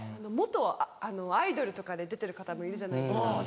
元アイドルとかで出てる方もいるじゃないですか。